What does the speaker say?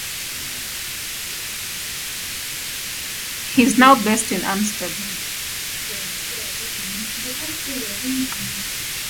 He is now based in Amsterdam.